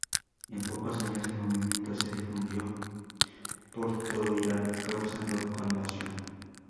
En pocos años el movimiento se difundió por todo Irán, causando conmoción.